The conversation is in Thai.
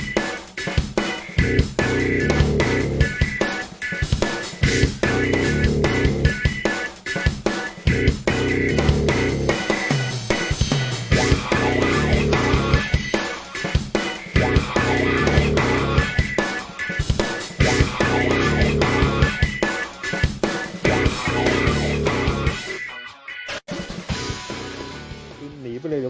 ข่าก็มาดูมีออกแล้ว